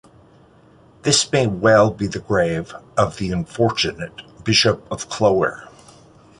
This may well be the grave of the unfortunate Bishop of Clogher.